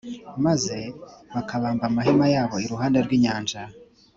maze bakabamba amahema yabo iruhande rw’inyanja.